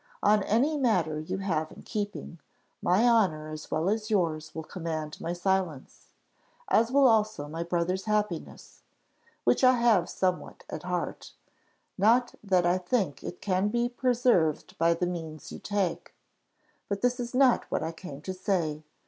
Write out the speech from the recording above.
On any matter you have in keeping, my honour as well as yours will command my silence as will also my brother's happiness, which I have somewhat at heart; not that I think it can be preserved by the means you take. But this is not what I came to say.